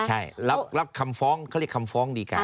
ใช่รับคำฟ้องเขาเรียกคำฟ้องดีการ